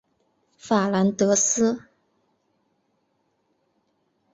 法兰德斯。